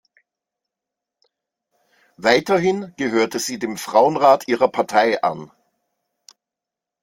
Weiterhin gehörte sie dem Frauenrat ihrer Partei an.